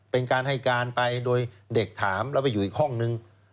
เป็นการให้การไปโดยเด็กถามแล้วไปอยู่อีกห้องนึง